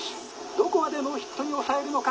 どこまでノーヒットに抑えるのか。